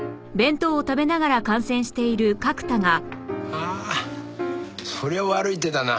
ああそりゃ悪い手だな。